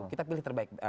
kita pilih terbaik